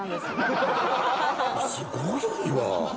すごいわぁ。